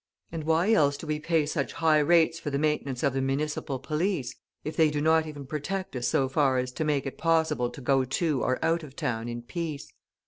And why else do we pay such high rates for the maintenance of the municipal police, if they do not even protect us so far as to make it possible to go to or out of town in peace?